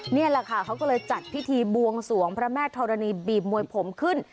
นี่แหละค่ะเขาก็เลยจัดพิธีบวงสวงพระแม่ธรณีบีบมวยผมขึ้น